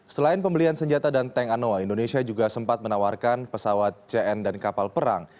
selain pembelian senjata dan tank anoa indonesia juga sempat menawarkan pesawat cn dan kapal perang